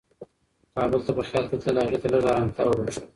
کابل ته په خیال کې تلل هغې ته لږ ارامتیا وربښله.